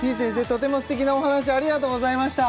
とても素敵なお話ありがとうございました